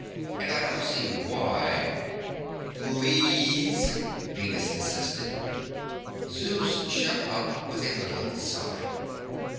And I don't see why " "Please!" Venus insisted. Zeus shut up with a little sigh.